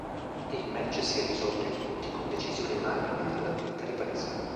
Il match si è risolto ai punti con decisione unanime alla quinta ripresa.